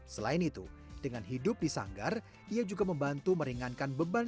selain itu dengan hidup di sanggar ia juga membantu meringankan beban